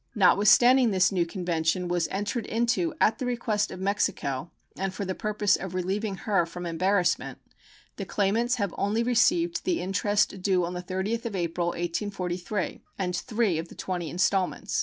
Notwithstanding this new convention was entered into at the request of Mexico and for the purpose of relieving her from embarrassment, the claimants have only received the interest due on the 30th of April, 1843, and three of the twenty installments.